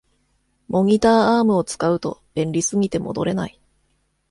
モニターアームを使うと便利すぎて戻れない